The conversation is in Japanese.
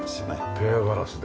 ペアガラスで。